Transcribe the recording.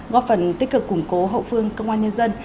góp phần tích cực củng cố hậu phương công an nhân dân